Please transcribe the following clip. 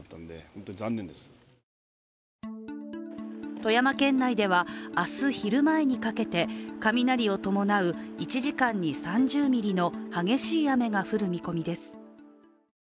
富山県内では明日、昼前にかけて雷を伴う１時間に３０ミリの激しい雨が降る見込みです。